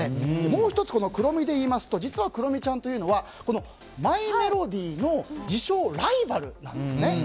もう１つ、クロミで言いますと実はクロミちゃんというのはマイメロディの自称ライバルなんですね。